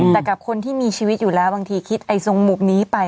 แต่กับคนที่มีชีวิตอยู่แล้วบางทีคิดไอ้ทรงมุมนี้ไป